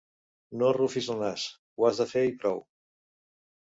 No arrufis el nas: ho has de fer i prou.